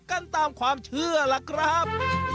กันตามความเชื่อล่ะครับ